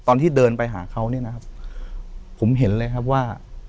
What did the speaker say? ตอนที่เดินไปหาเขาเนี่ยนะครับผมเห็นเลยครับว่า